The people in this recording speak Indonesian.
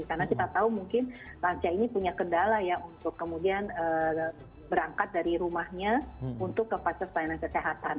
karena kita tahu mungkin lansia ini punya kendala ya untuk kemudian berangkat dari rumahnya untuk ke pasir pelayanan kesehatan